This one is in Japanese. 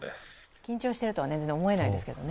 緊張しているとは全然思えないですけどね。